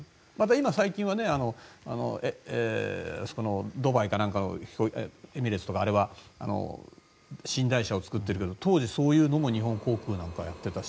最近はドバイかなんかエミレーツとか寝台車を作ってるけど当時、そんなのも日本航空なんかやってたし。